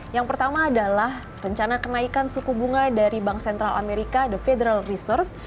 yang pertama adalah rencana kenaikan suku bunga dari bank sentral amerika the federal reserve